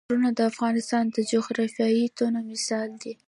غرونه د افغانستان د جغرافیوي تنوع مثال دی.